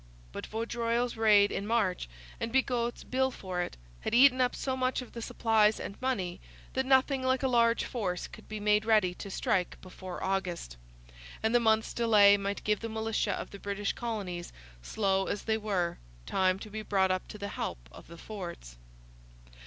But Vaudreuil's raid in March, and Bigot's bill for it, had eaten up so much of the supplies and money, that nothing like a large force could be made ready to strike before August; and the month's delay might give the militia of the British colonies, slow as they were, time to be brought up to the help of the forts.